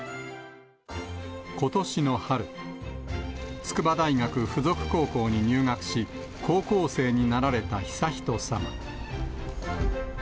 ことしの春、筑波大学附属高校に入学し、高校生になられた悠仁さま。